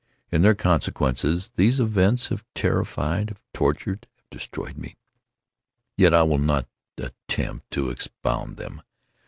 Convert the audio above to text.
In their consequences, these events have terrified—have tortured—have destroyed me. Yet I will not attempt to expound them.